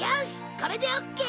これでオッケー！